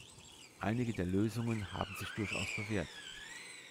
Einige der Lösungen haben sich durchaus bewährt.